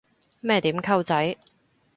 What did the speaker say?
咩點溝仔